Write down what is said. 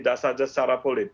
dan sakitnya bukan secara kring